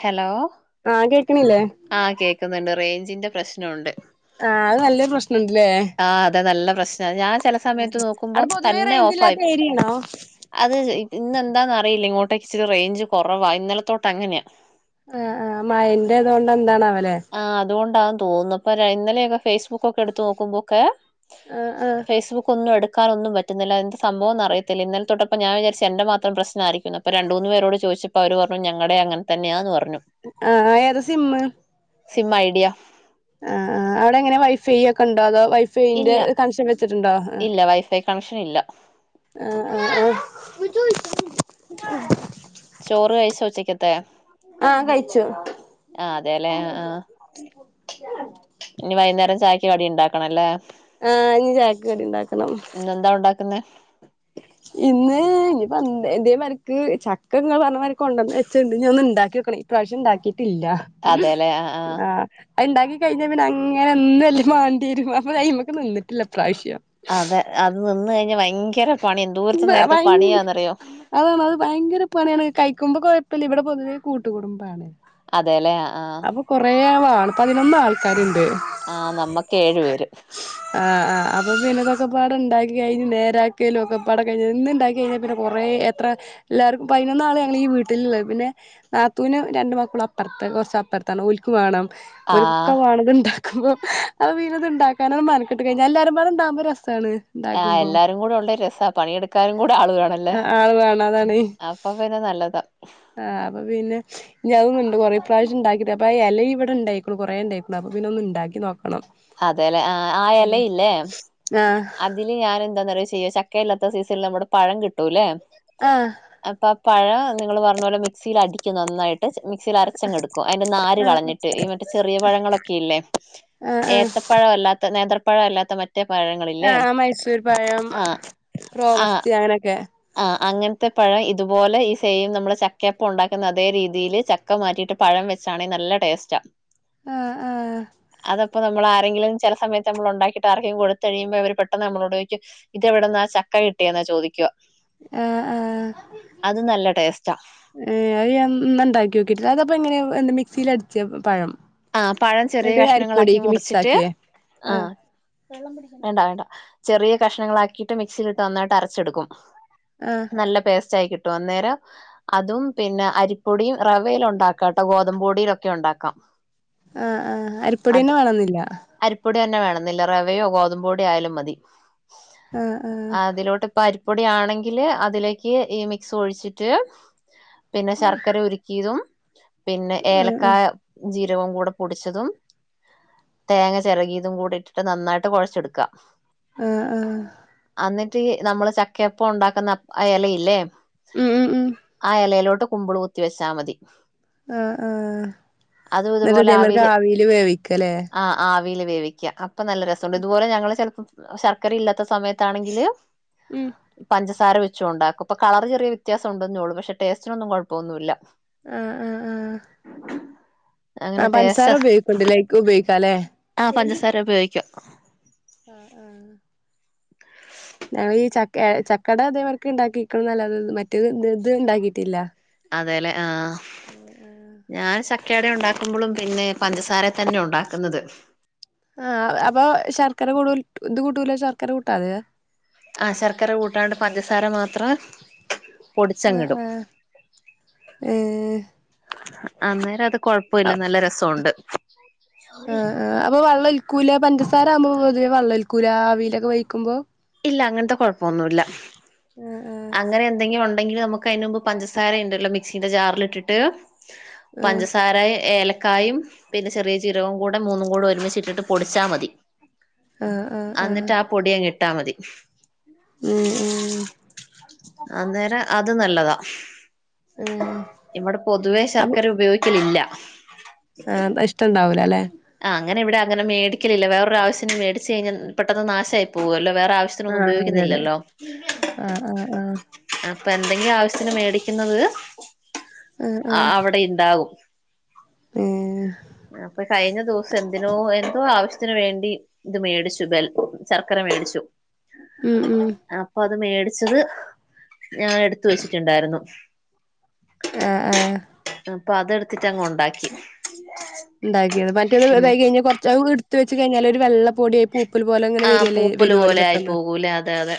Hello ആഹ് കേക്കണില്ലേ ആഹ് കേക്ക്ന്നുണ്ട് റേഞ്ചിന്റെ പ്രശ്നണ്ട് ആഹ് അത് നല്ലൊരു പ്രശ്നണ്ട്‌ല്ലേ ആഹ് അതെ നല്ല പ്രശ്ന ഞാ ചെല സമയത്ത് അവിടെ നോക്കുമ്പോം പൊതുവേ തന്നെ റേഞ്ച് ഓഫ് ഇല്ലാത്ത ആയിപ്പോ ഏരിയാണോ അത് ഇ ഇന്ന് എന്താന്ന് അറിയില്ല ഇങ്ങോട്ടേ ഇച്ചിരി റൈഞ്ച് കെറവാ ഇന്നലത്തോട്ട അങ്ങനെ ആഹ് ആഹ് മയന്റത്തൊണ്ട എന്താന്നാ വലെ ആഹ് അതുകൊണ്ടാ തോന്നുന്നു അപ്പ ഇന്നലെയൊക്കെ ഫെയ്സ്ബുക്ക് ഒക്കെ എടുത്ത് നോക്കുമ്പോക്കെ ആഹ് ആ ഫെയ്സ്ബുക്ക് ഒന്നും എടുക്കാനൊന്നും പറ്റുന്നില്ല എന്താ സംഭവംന്ന് അറിയത്തില്ല ഇന്നല തൊട്ട് അപ്പ ഞാ വിചാരിച്ച് എന്റെ മാത്രം പ്രശ്ന ആരിക്കുന്ന് അപ്പ രണ്ട് മൂന്ന് പേരോട് ചോയിച്ചപ്പോ അവര് പറഞ്ഞു ഞങ്ങടെ അങ്ങൻ തന്നെയാന്ന് പറഞ്ഞു ആഹ് ആഹ് ഏത സിമ്മ് സിമ്മ് ഐഡിയ ആഹ് ആഹ് അവടെ എങ്ങനെ വൈഫൈ ഒക്ക ഇണ്ടോ അതൊ വൈഫൈന്റെ ഇല്ല കണക്ഷൻ വെ- ച്ചിട്ടുണ്ടോ ഇല്ല വൈഫൈ കണക്ഷൻ ഇല്ല. ആഹ് ആഹ് ആഹ് ചോറ് കഴിച്ചോ ഉച്ചക്കത്തെ ആഹ് കഴിച്ചു ആഹ് അതേ ല്ലേ ആഹ് ആഹ് ഇനി വൈന്നേരം ചായക്ക് കടി ണ്ടാക്കണല്ലേ ആഹ് ഇഞ് ചായക്ക് കടിണ്ടാക്കണം ഇന്നെന്താ ഉണ്ടാക്ക്ന്നേ ഇന്ന് ഇഞ്പ്പോ ഇതേ മാര്ക്ക് ചക്ക ങ്ങൾ പറഞ മാരിക്ക് കൊണ്ടന്ന് വെച്ച്ണ്ട് ഞ ഒന്ന് ഇണ്ടാക്കിഓക്കണയ് ഇപ്രാവിശ്യം ഇണ്ടാക്കിട്ടില്ല അതെല്ലേ ആ ആ ആഹ് അത് ണ്ടാക്കി കഴിഞ്ഞ പിന്നെ അങ്ങനെ എന്നും എല്ലമാണ്ടേരും അപ്പ ഐമക്ക് നിന്ന്ട്ടില്ല ഇപ്രാവിശ്യം അതെ അത് നിന്ന് കഴിഞ്ഞ ഭയങ്കര പണി എന്തോര്ത്ത് ഭ നേരത്തെ ഭയങ്ക പണിയാന്നറിയോ അതാണ് അത് ഭയങ്കര പണിയാണ് കഴിക്കുമ്പോ കൊഴപ്പല്ല്യ ഇവിടെ പൊതുവേ കൂട്ടു കുടുംബാണ് അതെല്ലേ ആഹ് അപ്പൊ കൊറേ വാണം പതിനൊന്ന് ആൾക്കാര്ണ്ട് ആഹ് നമ്മക്ക് ഏഴു പേര് ആഹ് ആഹ് അപ്പൊ പിന്നതൊക്കെ പാട ഇണ്ടാക്കി കഴിഞ്ഞ് നേരാക്കലും ഒക്കെ പാട കഴിഞ് ഇന്ന് ഇണ്ടാക്കി കഴിഞ്ഞാ പിന്നെ കൊറെ എത്ര എല്ലാർക്കും പതിനൊന്നാള് ഞങ്ങൾ ഈ വീട്ടില്ള്ളത് പിന്നെ- നാത്തൂനും രണ്ട് മക്കളും അപ്പറത്ത് കൊറച്ച് അപ്പറത്താണ് ഓല്ക്ക് വാണം ആ ഓല്ക്കൊക്ക വാണത് ണ്ടാ ക്ക്പോ അപ്പോ പിന്നത് ഇണ്ടാക്കാന മെനക്കെട്ട് കഴിഞ്ഞാ എല്ലാരും പാട ഇണ്ടാവുമ്പോ ഒരസ്സാണ് ആഹ് എല്ലാരും കൂടെ ഉണ്ടേ രസ്സാ പണിയെടുക്കാനും കൂടെ ആള്‌വേണല്ലേ ആ, ആള് വേണം അതാണ് അപ്പ പിന്നെ നല്ലതാ ആഹ് അപ്പൊ പിന്നെ ഇഞ് അതൊന്ന്ണ്ട് കൊറെ പ്രാവിശ്യം ണ്ടാക്കിത് അപ്പോ ആ എലിം ഇവിടെ ണ്ടായിക്കുണ് കൊറെ ഇണ്ടായിക്കുണു അപ്പൊ പിന്നെ ഒന്ന് ഇണ്ടാക്കി നോക്കണം. അതെല്ലെ ആഹ ആയലയില്ലേ ആഹ അതില് ഞാൻ എന്താനാ ചെയെന്ന് അറിയുവോ ചെയ്യ ചക്കയില്ലാത്ത സീസണില് നമ്മുടെ പഴം കിട്ടുംല്ലേ.. ആഹ അപ്പൊ ആ പഴ നിങ്ങള്ൾ പറഞ്ഞ പോലെ മിക്സിൽ അടിക്കും നന്നായിട്ട്.. മിക്സിൽ അരച്ചങ്ങടുക്കും അതിന്റെ നാാര് ആഹ് കളഞ്ഞിട്ട്ഈ മറ്റേ ചെറിയ പഴങ്ങളൊക്കെ ഇല്ലേ.. ആഹ് ആഹ് ഏത്തപ്പഴമല്ലാത്ത നേത്രപ്പഴല്ലാത്ത മറ്റേ പഴങ്ങളിൽ.. ആഹ മൈസൂർ പഴം റോബസ്തി അങ്ങനെയൊക്കെ.. ആഹ അങ്ങനത്തെ പഴം ഇതുപോലെ ഈ സെയിം നമ്മള് ചക്കയപ്പ ഉണ്ടാക്കുന്ന അതേ രീതിൽ ചക്ക്.. ഒക്കെ മാറ്റിയി്ട്ട് പഴം വെച്ചാെങ്കിൽ നല്ല ടേസ്റ്റാ.. ആഹ് ആഹ് അതപ്പോ നമ്മൾ ആരെങ്കിലും ചില സമയത്ത്.. നമ്മൾ ഉണ്ടാക്കിട്ട് ആർക്കും കൊടുത്തഴിയുമ്പോ അവർ പെട്ടന്ന് നമ്മളോട് ചോദിക്കും ഇത് ഇവിടന്ന് ആ ചക്ക കിട്ടിയെന്ന ചോദിക്കുക.. ആഹ ആഹ അത് നല്ല ടേസ്റ്റാ, ഏ അത് ഞാൻ ന്നാ ഉണ്ടാക്കി നോക്കിട്ടില്ല അത്പ്പോ എങ്ങനെ എ മിക്സിൽ അടിച്ച പഴം.. ആഹ പഴം ചെറിയ എന്നിട്ട് കഷ്ണങ്ങളാക്കി അരിപ്പൊടിക്ക് മിക്സ് മുറിച്ചിട്ട് ആക്കിയേ ആഹ.. ആഹ് വേണ്ട വേണ്ട ചെറിയ കഷ്ണങ്ങളാക്കിയിട്ട് മിക്സിയില ഇട്ട് നന്നായിട്ട് അരച്ചെടുക്കും. ആഹ നല്ല പേസ്റ്റായിയി കിട്ടും അന്നേരം.. അതും പിന്നെ അരിപ്പൊടിയും റവയിലും ഉണ്ടാക്കാം കേട്ടോ ഗോതമ്പ് പൊടിയിലുംമോക്കെ ഉണ്ടാക്കാം. ആഹ ആഹ അത് അരിപ്പൊടിന്നെ വേണന്നില്ല, അരിപ്പൊടി തന്നെ വേണംന്നില്ല റവയോ ഗോതമ്പോ പൊടി ആയാലും മതി ആഹ് ആഹ് അതിലോട്ട്.. പരിപ്പൊടി ആണെങ്കില് അതിലേക്ക് ഈ മിക്സ് ഒഴിച്ചിട്ട്.. പിന്നെ ശർക്കര ഉരുക്കിയതും പിന്നെ ഏലക്കായ ജീരവും കൂടെ പൊടിച്ചതും.. തേങ്ങ ചെറകിയതും കൂടി ഇട്ടിട്ട് നന്നായിട്ട് കുഴച്ചെടുക്കാ.. ആഹ ആഹ എന്നിട്ട് നമ്മള് ചക്കയപ്പം ഉണ്ടാക്കുന്ന ഇലയില്ലേ.. ഉം ഉം ഉം ആ ഇലയിലോട്ട് കുമ്പിൾ കുത്തി വെച്ചാ മതി. ആഹ ആഹ അതും ന്നട്ട് ഇതുപോലെ ഇതേമാർക്ക് അവീൽ വേവികുല്ലേ, ആവിയിൽ വേവിക്കുക അപ്പൊ നല്ല രസമുണ്ട് ഇതുപോലെ ഞങ്ങള്ൾ ചിലപ്പോ ശർക്കര ഇല്ലാത്ത സമയത്ത്, താണെങ്കില്, ഉം പഞ്ചസാര വെച്ചു ഉണ്ടാക്കും ഇപ്പൊ കളർ ചെറിയ വ്യത്യാസം ഉണ്ടെന്നന്നോ ഉള്ളൂ പക്ഷേടേസ്റ്റിനന്നുംഴപ്പൊന്നുല്ല. ആഹ ആഹ ഉ ആഹ പഞ്സാര ഉപയോഗിക്കുണ്ട്ലെ ലൈക്ക് ഉപയോഗിക്കാം ല്ലേ, ആഹ പഞ്ചസാര ഉപയോഗിക്കാം. ആഹ ആഹ ഞങ്ങ ഈ ച ചക്കട അതേവർക്ക് ഉണ്ടാക്കിക്കണന്നല്ല മറ്റേ ഇത് ഉണ്ടാക്കിയിട്ടില്ല. അതെല്ലേ ആഹ ഞാൻ ചക്ക് ക്കട ഉണ്ടാക്കുമ്പോഴും പിന്നെ പഞ്ചസാര തന്നെ ഉണ്ടാക്കുന്നത്. ആഹ അപ്പൊ ശർക്കര കൂടു ഇത് കൂട്ടൂല ശർക്കര കൂട്ടാതെ.. ആഹ ശർക്കര കൂട്ടാണ്ട് പഞ്ചസാര മാത്രം, പൊടിച്ചങ്ങിടും ഏഹ് അന്നേരതൊ.. കൊഴപ്പമില്ല നല്ല രസംഉണ്ട്. ആഹ് അപ്പൊ വള്ളൽക്കുല പഞ്ചസാര ആകുമ്പോ പൊതുവെ വെള്ളൊൽക്കൂല അവിയയിലൊക്കെ വഴിക്കുമ്പോ, ഇല്ല അങ്ങനത്തെ കുഴപ്പൊന്നുവില്ല ആഹ് അങ്ങനെ എന്തെങ്കിലും ഉണ്ടെങ്കിൽ നമുക്ക് അതിന് മുമ്പ് പഞ്ചസാര ഉണ്ടല്ലോ മിക്സിന്റെ ജാറിലിട്ടിട്ട് ആഹ് പഞ്ചസാര ഏലക്കായും പിന്നെ ചെറിയ ജീരകവും കൂടെ മൂന്നും കൂടെ ഒരുമിച്ചിട്ടിട്ട് പൊടിച്ചാ മതി ആഹ് ആഹ് ആഹ് ആഹ് അന്നിട്ടാപൊടിയങ്ങിട്ടാ മതി ഉം ഉം അന്നേര അത് നല്ലതാ ഉം ഇവിടെ പൊതുവേ അപ്പൊ ശർക്കര ഉപയോഗിക്കലില്ല ആഹ് ത ഇഷ്ടണ്ടാവൂല അല്ലേ ആഹ് അങ്ങനെ ഇവിടെ അങ്ങന മേടിക്കലില്ല വേറൊരാവശ്യത്തിന് വേടിച്ച് കഴിഞ്ഞാൽ പെട്ടെന്ന് നാശായി പോവുവല്ലോ വേറെ ആവശ് ത്തിനൊന്നും ആഹ് അതെ അതെ ഉപയോഗിക്കുന്നില്ലല്ലോ ആഹ് ആഹ് ആഹ് അപ്പഎന്തെങ്കിലും ആവശ്യത്തിന് മേടിക്കുന്നത് ആഹ് അ ആഹ് അവിടെ ഇണ്ടാകും ഏഹ് അപ്പഴ് കയിഞ്ഞ ദിവസം എന്തിനോ എന്തോ ആവശ്യത്തിന് വേണ്ടി ഇത് മേടിച്ചു ബെൽ ശർക്കര വേടിച്ചു ഉം ഉം അപ്പൊ അത് മേടിച്ചത് ഞാനെടുത്ത് വെച്ചിട്ടുണ്ടായിരുന്നു ഏഹ് അപ്പൊ അതെടുത്തിട്ടങ്ങൊണ്ടാക്കി ഉണ്ടാക്കിയത് മറ്റേത് ഉം ഇതായി കഴിഞ്ഞാൽ കൊറച്ചാവ് എടുത്ത് വെച്ച് കയിഞ്ഞാൽ ഒരു വെള്ള പൊടിയായി പൂ പ്പൽ പോലെ അങ്ങനെ ആ വരികല്ലേ പൂപ്പല് വരുവല്ലൊ പോലെ ആയി പെട്ടെന്ന് പോകൂലേ അതെ അതെ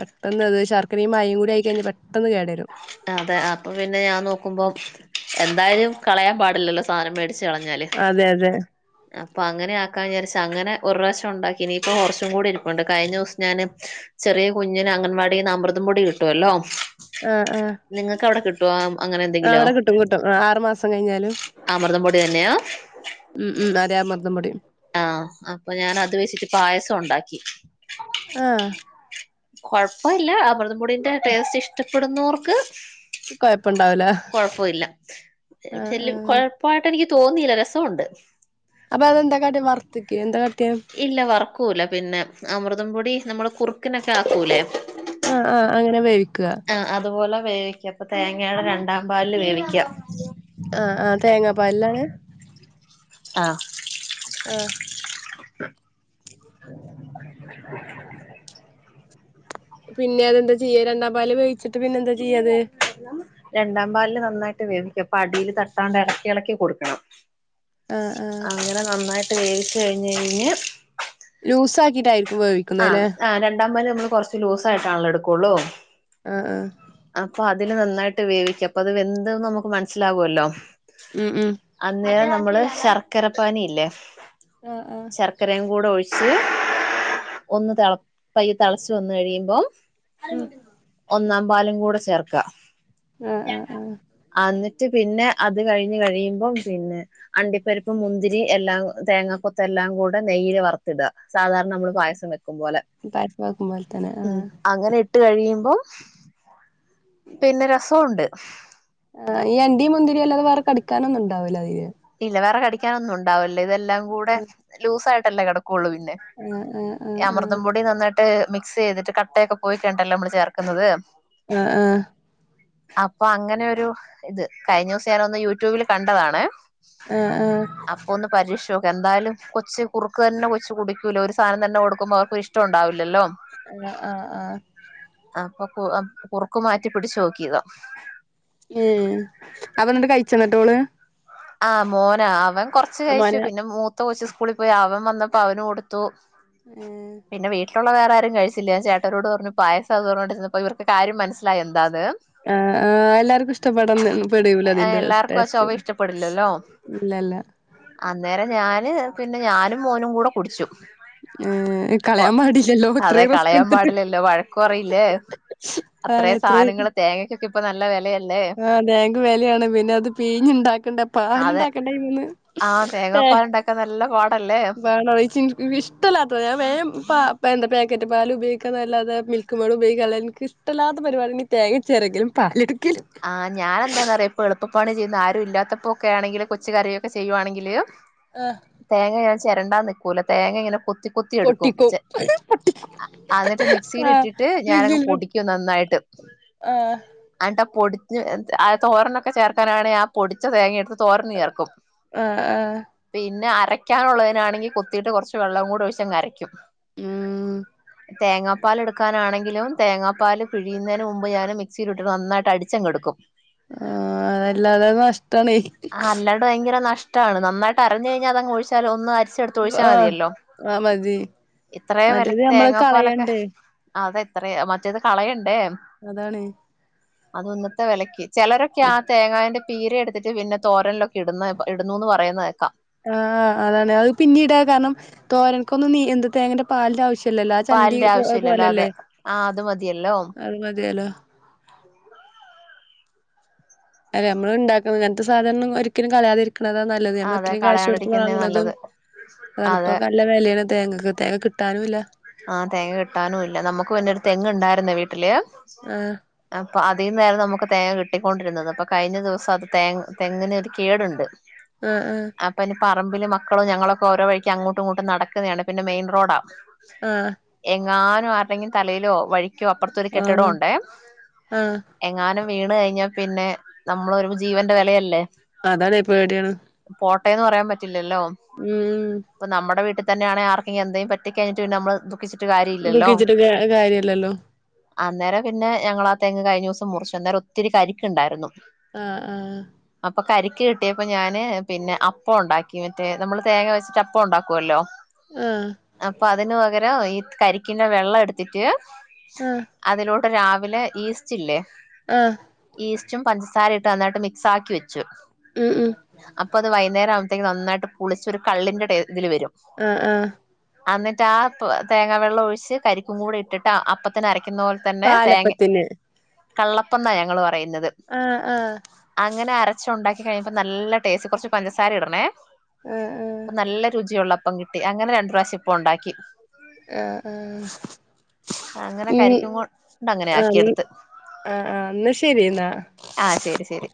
പെട്ടന്നത് ശർക്കരയുംമായയും കൂടി ആയി കയിഞ്ഞാൽ പെട്ടെന്ന് കേട് വരും അ അതെ അപ്പൊ പിന്നെ ഞാൻ നോക്കുമ്പോഎന്തായാലും കളയാൻ പാടില്ലല്ലോ സാധനം മേടിച്ച്കളഞ്ഞാല് അതെ അതെ അപ്പൊ അങ്ങനെ ആക്കാഞ്‌ വിചാരിച്ച് അങ്ങനെ ഒരുപ്രാവശ്യം ഉണ്ടാക്കി ഇനിയിപ്പൊ കുറച്ചും കൂടി ഇരിപ്പുണ്ട് കയിഞ്ഞ ദിവസം ഞാന് ചെറിയ കുഞ്ഞിന് അംഗൻവാടീന്ന് അമൃതം പൊടി കിട്ടുവല്ലോ ആഹ് ആഹ് നിങ്ങക്കവിടെക്കിട്ട് ട്ടുവാ അങ്ങനെ ആഹ് എന്തെങ്കിലോ അവിടെ കിട്ടും കിട്ടും ആഹ് ആറ് മാസം കഴിഞ്ഞാലും അമൃതം പൊടി തന്നെയാ ഉം ഉം അരെഅമൃതം പൊടി ആഹ് അപ്പഞാൻ അത് വെച്ചിട്ട് പായസം ഉണ്ടാക്കി ആഹ് കൊഴപ്പവില്ല അമൃതം പൊടീന്റെ ടേസ്റ്റ് ഇഷ്ട്ടപ്പെടുന്നോർക്ക് കൊഴപ്പണ്ടാവൂല കൊഴപ്പവിഇല്ല ആഹ് ചെല്ലും ആഹ് കൊഴപ് പ്പായിട്ടെനിക്ക് തോന്നിയില്ല രസോണ്ട് അപ്പഅതെന്താകാട്ടി വർത്തിക്കെ എന്താകാട്ടിയെ ഇല്ല വർക്കൂല പിന്നെ അമൃതം പൊടി നമ്മള് കുറുക്കിനൊക്കെ ആക്കൂലേ ആഹ് ആഹ് അങ്ങനെ വേവിക്കുക ആഹ് അതുപോലെ വേവിക്ക അപ്പ തേങ്ങയുടെ രണ്ടാം പാലില് വേവിക്ക ആഹ് ആഹ് തേങ്ങാപ്പാലിലാണ് ആഹ് ആഹ് [inaudible] പിന്നെ അതെന്താ ചെയ്യ രണ്ടാം പാല് വേവിച്ചിട്ട് പിന്നെന്താ ചെയ്യാത് രണ്ടാം പാലില് നന്നായിട്ട് വേവിക്ക പ്പഅടീല് തട്ടാണ്ട് ഇളക്കി ഇളക്കി കൊടുക്കണം ആഹ് ആഹ് അങ്ങനെ നന്നായിട്ട് വേവിച്ച് കഴിഞ്ഞ് കഴിഞ്ഞ് ലൂസാക്കീട്ടായിക്കും വേവിക് ആ ആ രണ്ടാമ്പാല് നമ്മള് കുറച്ച് ലൂസായിട്ടാണല്ലോ എടുക്കുള്ളൂ ആ ആ അപ്പൊ അതില് നന്നായിട്ട് വേവിക്കാം അപ്പൊ അത് വെന്ത്നമുക്ക് മനസ്സിലാകുവല്ലോ ഉ ഉ അന്നേരം നമ്മള് ശർക്കരപ്പാനിയില്ലേ ആ ആ ശർക്കരയും കൂടെ ഒഴിച്ച് ഒന്ന് തെള പയ്യ് തെളച്ച വന്ന് കഴിയുബം ഉം ഒന്നാം പാലും കൂടെ ചേർക്ക ആഹ് ആഹ് ആഹ് അന്നിട്ട് പിന്നെ അത് കഴിഞ്ഞ് കഴിയുമ്പം പിന്നെ അണ്ടിപ്പരിപ്പും മുന്തിരി എല്ലാ തേങ്ങാ കൊത്ത് എല്ലാം കൂടെ നെയ്യ്ല് വർത്തിട സാധാരണ ന്നമ്മള് പായസം വെക് ക്കുംബോലെ പായസമാക്കും പോലെ തന്നെ ഉം ആഹ് അങ്ങനെയിട്ട് ഇട്ട് കഴിയുമ്പോ പിന്നെ രസോണ്ട്. ആഹ് ഈഅണ്ടിം മുന്തിരിയും അല്ലാതെ വേറെ കടിക്കാനൊന്നുണ്ടാവില അയില്. ഇല്ല വേറെ കടിക്കാനൊന്നുംണ്ടാവല്ല ഇതെല്ലാം കൂടെ ലൂസായിട്ടല്ലേ കെടക്കൊള്ളൂ പിന്നെ. ആഹ് ആഹ് ആഹ് ആഹ് അതുംപൊടി നന്നായ്ട്ട് മിക്സ്യ്തിട്ട് കട്ടയൊക്കെ പോയിക്കയ്ഞ്ഞ്ട്ടല്ലെ അമ്മള് ചേർക്കുന്നത്. ആഹ് ആഹ് അപ്പൊ അങ്ങനെ ഒരു ഇത് കഴിഞ്ഞോസം ഞാനൊന്ന് യൂട്യൂബിൽ കണ്ടതാണ്. ആഹ് ആഹ് അപ്പൊ ഒന്ന് പരീക്ഷോക്ക എന്തായാലും കൊച്ച് കുർക്കെന്നെ കൊച്ച് കുടിക്കൂല ഒര് സാനം തന്നെ കൊട്ക്കുമ്പോ അവൾക്കൊരിഷ് ട്ടം ഉണ്ടാവില്ലല്ലോ അന്ന ആഹ് ആഹ് അപ്പൊ പൊ അ കുറുക്ക് മാറ്റി പിടിച്ചോ നോക്കിയതാ എഹ് അത് ന്ന്ട്ട് കഴിച്ചന്നിട്ടോള് ആഹ് മോനാ അവൻ കൊർച്ച് കഴിച്ചു മോനെ പിന്നെ മൂത്ത കൊച്ച് സ്കൂളി പോയി അവൻ വന്നപ്പോ അവന് കൊട്ത്തു. ഉം പിന്നെ വീട്ടിലുള്ള വേറെ ആരും കഴിച്ചില്ല ചേട്ടരോട് പറഞ്ഞു പായസാന്ന് പറഞ്ഞോണ്ടിര്ന്നപ്പോ ഇവർക്ക് കാര്യം മനസ്സിലായി എന്താന്ന്. ആഹ് ആഹ് എല്ലാർക്കും ഇഷ്ടപ്പെടംന്ന് പെട് ല ഇതിന്റെട്ടെസ്റ്റ്. ഇല്ലല്ലോ അന്നേരം ഞാന് പിന്നെ ഞാനും മോനും കൂടെ കുടിച്ചു. ഉം കൊ അതെ കളയാൻ എടുത്തിട്ട് പാടില്ലല്ലോ വഴക്ക് പറയില്ലേ. അത്ര ആണ് ഇത്രയും സാധനങ്ങള് തേങ്ങക്കൊക്കെ ഇപ്പൊ ന്നല്ല വെലയ. ആഹ് തേങ്ങക്ക് വെലയാണ് പിന്നെ അത് പീഞ്ഞുണ്ടാക്കണ്ടെ അതെ പാല്ണ്ടാക്കണ്ടെ ഇന്ന് ഏഹ് നല്ലപാടല്ലേ കാണോ ഇച് ഇൻകോ ഇഷ്ടല്ലാത്തെ ഞാൻ വേം പാ പെന്താ പേക്കറ്റ് പാല് ഉപയോഗിക്കാന്നാല്ലാതെ മിൽ ക്ക്മെയ്ഡ് ഉപോഗികല് ഇൻക്ക് ഇഷ്ട്ടലാത്ത പരിപാടിണ് ഈ തേങ്ങ ചേരകലും പാല്ട്ക്കലും. ആഹ് ഞാനെന്താന്നറിയോ? പ്പെളുപ്പണി ചെയ്യുന്നആരും ഇല്ലാത്തപ്പോക്കെ ആണെങ്കില് കൊച്ച് കരയൊക്കെ ചെയ്യുവാണെങ്കില്. ആഹ് തേങ്ങ ഞാൻ ചെരണ്ടാൻ ന്നിക്കൂല തേങ്ങങ്ങനെ കൊത്തി കൊത്തിയെടുക്കും പൊട്ടിക്കും ചെ അ അന്ന്ട്ട് ആ മിക്സിലിട്ടിട്ട് ഞാനങ്ങ് പൊടിക്കും ന്നന്നായ്ട്ട്. ആഹ് അൻട്ടാ പൊടിഞ്ഞ് ആഹ് അത്‌ തോരനൊക്കെ ചേർക്കാനാണെ ആ പൊടിച്ച തേങ്ങയെടുത്ത് തോരന് ചേർക്കും. ആ ആ പിന്നെ അരയ്ക്കാനുള്ളതിനാണെങ്കി കൊത്തീട്ട് കൊർച്ച് വെള്ളം കൂടെ ഒഴിച്ചങ്ങ് അരക്കും. ഉം തേങ്ങാപ്പാല് എടുക്കാനാണെങ്കിലും തേങ്ങാപ്പാൽ പിഴിയുന്നെന് മുമ്പ് ഞാന് മിക്സീലിട്ട് നന്നായിട്ട് അടി ച്ചങ്ങെടുക്കും ആ അതല്ലാതെ നഷ്ടാണേ അല്ലാണ്ട് ഭയങ്കര നഷ് ട്ടാണ് നന്നായിട്ട് അരഞ്ഞ് കഴിഞ്ഞാ അതങ്ങ് ഒഴിച്ചാലും ഒന്ന് അരച്ചെടുത്തൊഴിച്ചാ ആ മതിയല്ലോ ആ മതി ഇത്രേം മറ്റേത് വെലക്ക് നമ്മള് തേങ്ങാപ്പാലൊക്കെ കളയണ്ടേ അത് ഇത്രേം മറ്റേത് കളയണ്ടേ. അതാണ് അതു ഇന്നത്തെ വെലക്ക് ചെലരൊക്കെ ആ തേങ്ങാന്റെ പീര എടുത്തിട്ട് പിന്നെ തോരൻലൊക്കെ ഇടുന്ന് ഇടുന്നൂന്ന് പറയുന്നെ കേക്കാം. ആഹ് അതാണ് അയ് പിന്നീടാ കാരണം തോരൻക്കൊന്ന് നി എന്ത തേങ്ങന്റെ പാലിന്റെ ആവിശ്യില്ലല്ല ആഹ് ചണ്ടി പാലിന്റെ പൊ ആവശ്യം ഇല്ലല്ലോ അതെ പോലല്ലേ ആ അത് മതിയല്ലോ അത് മതിയെല്ല അല്ലെ ഞമ്മളിണ്ടാക്കണത് ഇങ്ങൻത്തെ സാധനൊന്നും ഒരിക്കലും കളയാതിരിക്കണത ന ല്ലത് നമ്മള് അതെ ഇത്രീം കാശ് കൊട്ത്ത് കളയാണ്ടിരിക്കുന്നേ വാങ്ങണതും നല്ലത് അതാണ് അതെ ഇപ്പൊക്കെല്ല വെലേണ് തേങ്ങക്ക് തേങ്ങ കിട്ടാനൂല്ല ആഹ് തേങ്ങ കിട്ടാനുല്ല നമുക്ക് പിന്നെ ഒര് തെങ്ങ് ഇണ്ടായിരുന്നു വീട്ടില് ആഹ് അപ്പ അതീന്നായിരുന്നു നമുക്ക് തേങ്ങ കിട്ടിക്കൊണ്ടിരുന്നത് അപ്പൊ കഴിഞ്ഞ ദിവസം അത് തേങ്ങ തെങ്ങിനൊരു കേടുണ്ട് ആഹ് ആഹ് അപ്പ ഇനി പറമ്പില് മക്കള് ഞങ്ങളൊക്കൊ ഓരോ വഴിക്ക് അങ്ങോട്ടും ഇങ്ങോട്ടും നട‌ക്കിന്നയാണ് പിന്നെ മെയിൻ റോഡാ ആഹ് എങ്ങാനും ആരുടെങ്കിലും തലയിലോ വഴിക്കോ അപ്പുറത്തൊരു കെട്ടിടം ആഹ് ആഹ് ഉണ്ടേ ആഹ് എങ്ങാനും വീണ് കഴിഞ്ഞാ പിന്നെ നമ്മളൊരു ജീവന്റെ വെലയല്ലേ അതാണെ പേടിയാണ് പോട്ടേന്ന് പറയാൻ പറ്റില്ലല്ലോ ഉം ഇപ്പ നമ്മടെ വീട്ടിതന്നെ ആണേ ആർക്കെങ്കി എന്തേലും പറ്റിക്കഴിഞ്ഞിട്ട് പിന്നെ നമ്മള് ദു ഖിച്ചിട്ട് കാര്യം ഇല്ലല്ലോ ദുഃഖിച്ചിട്ട് കാ കാര്യല്ലല്ലോ അന്നേരം പിന്നെ ഞങ്ങളാ തെങ്ങ് കഴിഞ്ഞൂസം മുറിച്ചു അന്നേരം ഒത്തിരി കരിക്കെണ്ടായിരുന്നു ആഹ് ആഹ് അപ്പൊ കരിക്ക് കിട്ടിയപ്പോ ഞാന് പിന്നെ അപ്പം ഒണ്ടാക്കി മറ്റേ നമ്മള് തേങ്ങ വെച്ചിട്ട് അപ്പം ഒണ്ടാക്കുവല്ലോ ആഹ് അപ്പ അതിന് പകരം ഈ കരിക്കിന്റെ വെള്ളം എടുത്തിട്ട് ആഹ് അതിലൂടെ രാവിലെ ഈസ്റ്റില്ലേ ആഹ് ഈസ്റ്റും പഞ്ചസാര ഇട്ട് നന്നായിട്ട് മിക്സാക്കി വെച്ചു ഉം ഉം അപ്പത് വൈന്നേരാമ്പത്തേക്കും നന്നായിട്ട് പുളിച്ച് ഒരു കള്ളിന്റെ ടേ ഇതില് വരും ആഹ് ആഹ് അന്നിട്ട് ആ പ് തേങ്ങ വെള്ളം ഒഴിച്ച് കരിക്കും കൂടി ഇട്ടിട്ട് അപ്പത്തിന് അരയ്ക്കുന്ന പോലെ പാലപ്പത്തിന് കള്ളപ്പംന്നാ ഞങ്ങള് പറയുന്നത് ആഹ് ആഹ് അങ്ങനെ അരച്ചൊണ്ടാക്കി കഴിഞ്ഞപ്പ നല്ല ടേസ്റ്റ് കുറച്ച് പഞ്ചസാര ഇടണേ ആഹ് ആഹ് അപ്പ നല്ല രുചിയുള്ള അപ്പം കിട്ടി അങ്ങനെ രണ്ട്റാശം ഇപ്പം ഒണ്ടാക്കി ആഹ് ആഹ് അങ്ങനെ ഉം കരിക്കും കൊണ്ട് അങ്ങനെ ആയി ആക്കിയെടുത്ത് ആഹ് ന്നാ ശരി ന്നാ ആഹ് ശരി ശരി